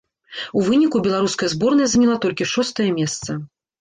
У выніку беларуская зборная заняла толькі шостае месца.